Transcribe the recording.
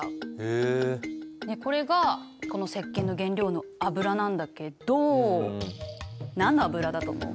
これがこのせっけんの原料の油なんだけど何の油だと思う？